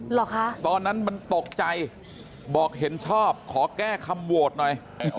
เหรอคะตอนนั้นมันตกใจบอกเห็นชอบขอแก้คำโหวตหน่อย